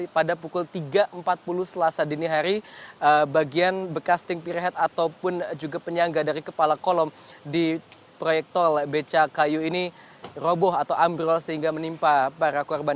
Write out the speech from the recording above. pada pukul tiga empat puluh selasa dini hari bagian bekas ting pirhead ataupun juga penyangga dari kepala kolom di proyek tol becakayu ini roboh atau ambrol sehingga menimpa para korban